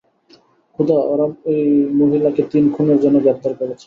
খোদা, ওরা এই মহিলাকে তিন খুনের জন্য গ্রেপ্তার করেছে।